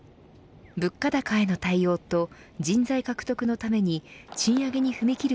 物価高への対応と人材獲得のために賃上げに踏み切る